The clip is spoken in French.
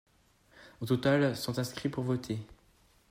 Au total, sont inscrits pour voter.